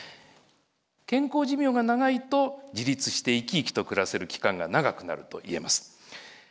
健康寿命が長いと自立して生き生きと暮らせる期間が長くなると言えます。